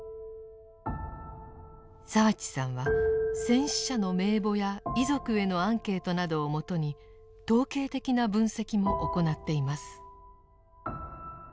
澤地さんは戦死者の名簿や遺族へのアンケートなどをもとに統計的な分析も行っています。